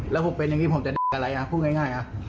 แล้วผมเป็นอย่างนี้ผมจะเด็กอะไรพูดง่ายครับ